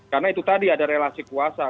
karena itu tadi ada relasi kuasa